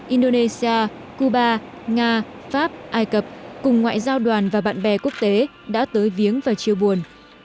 indonesia cuba nga pháp ai cập cùng ngoại giao đoàn và bạn bè quốc tế đã tới viếng và chia buồn